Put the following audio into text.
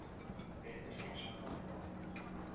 Беҙ осрашасаҡбыҙ.